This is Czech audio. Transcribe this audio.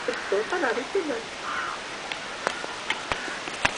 Z celého chrámového komplexu se dodnes dochoval pouze Stříbrný pavilon.